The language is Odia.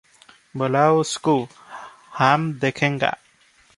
ବୋଲାଓ ଉସ୍କୁ, ହାମ୍ ଦେଖେଙ୍ଗା ।"